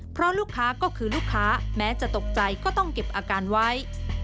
เพราะลูกค้าก็คือลูกค้าแม้จะตกใจก็ต้องเก็บอาการไว้